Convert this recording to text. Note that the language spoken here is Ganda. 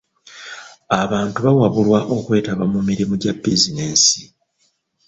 Abantu bawabulwa okwetaba mu mirimu gya bizinensi.